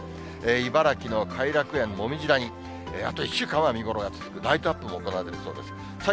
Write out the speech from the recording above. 茨城の偕楽園、もみじ谷、あと１週間は見頃が続く、ライトアップも行われるそうです。